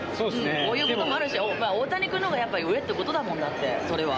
こういうこともあるし、大谷君のほうがやっぱり上っていうことだもん、それは。